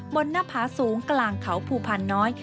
หน้าผาสูงกลางเขาภูพานน้อย